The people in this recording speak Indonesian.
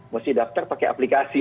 mesti daftar pakai aplikasi